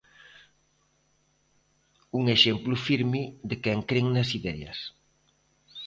Un exemplo firme de quen cren nas ideas.